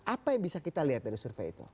apa yang bisa kita lihat dari survei itu